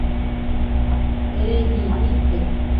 Ereji nite